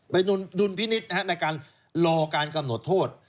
ไปดุลพินิษฐ์นะครับในการรอการกำหนดโทษ